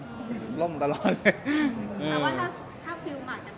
อร่่อยล่มตลอดเลย